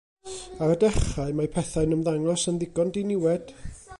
Ar y dechrau, mae pethau'n ymddangos yn ddigon diniwed.